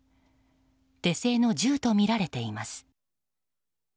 手製の銃とみられています。